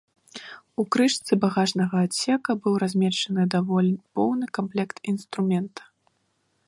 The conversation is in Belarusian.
У крышцы багажнага адсека быў размешчаны даволі поўны камплект інструмента.